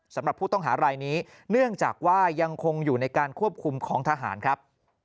สำหรับผู้ต้องหารายนี้เนื่องจากว่ายังคงอยู่ในการควบคุมของทหารครับ